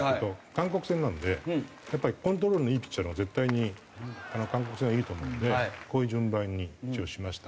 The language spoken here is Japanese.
韓国戦なのでやっぱりコントロールのいいピッチャーのほうが絶対に韓国戦はいいと思うのでこういう順番に一応しました。